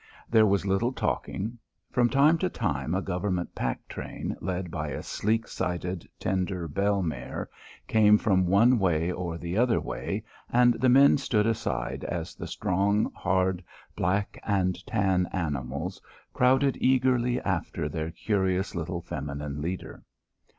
There was little talking. From time to time a Government pack train, led by a sleek sided tender bell mare, came from one way or the other way, and the men stood aside as the strong, hard, black and tan animals crowded eagerly after their curious little feminine leader.